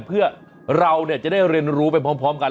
เพื่อเราจะได้เรียนรู้ไปพร้อมกัน